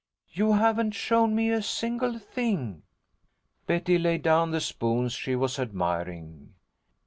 "You haven't shown me a single thing." Betty laid down the spoons she was admiring.